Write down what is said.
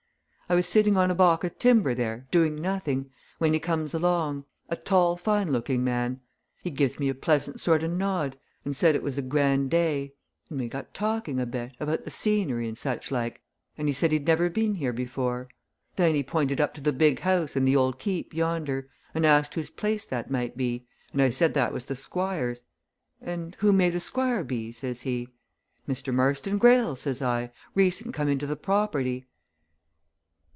I was sitting on a baulk o' timber there, doing nothing, when he comes along a tall, fine looking man. He gives me a pleasant sort o' nod, and said it was a grand day, and we got talking a bit, about the scenery and such like, and he said he'd never been here before. Then he pointed up to the big house and the old Keep yonder, and asked whose place that might be, and I said that was the Squire's. 'And who may the Squire be?' says he. 'Mr. Marston Greyle,' says I, 'Recent come into the property.'